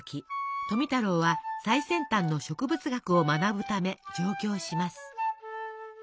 富太郎は最先端の植物学を学ぶため上京します。